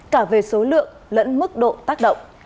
cả về số lượng lẫn mức độ tác động